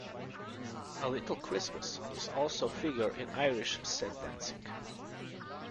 A "Little Christmas" is also a figure in Irish set dancing.